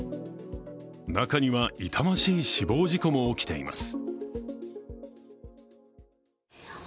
中には、痛ましい死亡事故も起きています。